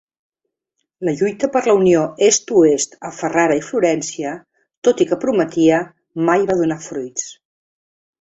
La lluita per la unió Est-Oest a Ferrara i Florència, tot i que prometia, mai va donar fruits.